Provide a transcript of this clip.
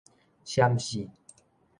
閃爍